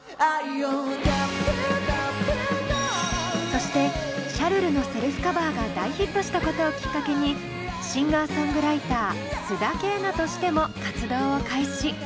そして「シャルル」のセルフカバーが大ヒットしたことをきっかけにシンガーソングライター須田景凪としても活動を開始。